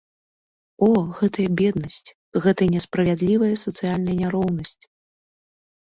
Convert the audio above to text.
О, гэтая беднасць, гэтая несправядлівая сацыяльная няроўнасць!